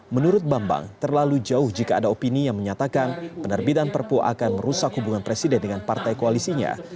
menurut bambang terlalu jauh jika ada opini yang menyatakan penerbitan perpu akan merusak hubungan presiden dengan partai koalisinya